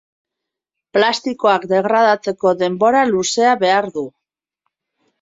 Plastikoak degradatzeko denbora luzea behar du.